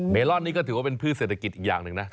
ลอนนี่ก็ถือว่าเป็นพืชเศรษฐกิจอีกอย่างหนึ่งนะ